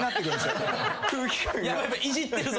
いじってる。